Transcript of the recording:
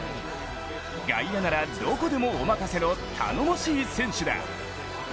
外野ならどこでもお任せの頼もしい選手だ。